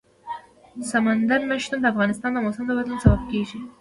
سمندر نه شتون د افغانستان د موسم د بدلون سبب کېږي.